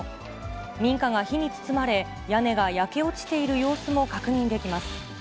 民家が火に包まれ、屋根が焼け落ちている様子も確認できます。